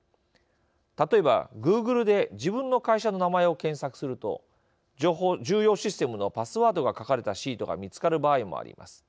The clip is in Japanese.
例えば、グーグルで自分の会社の名前を検索すると重要システムのパスワードが書かれたシートが見つかる場合もあります。